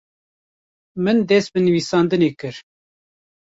Min dest bi nivîsandinê kir.